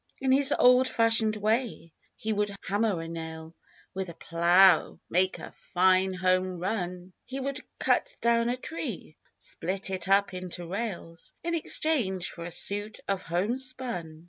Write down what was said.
In his old fashioned way he would hammer a nail, With a plow make a "fine home run," He would cut down a tree, split it up into rails, In exchange for a suit of "home spun.'